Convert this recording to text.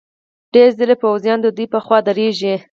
ډېر ځله پوځیان ددوی په خوا درېږي.